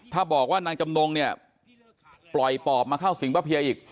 ถ้าบอกว่านางจำนงเนี่ยปล่อยปอบมาเข้าสิงป้าเพียอีก